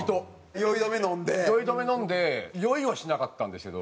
酔い止め飲んで酔いはしなかったんですけど。